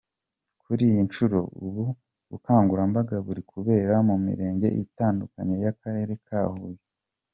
Kuri iyi nshuro, ubu bukangurambaga buri kubera mu mirenge itandukanye y’akarere ka Huye.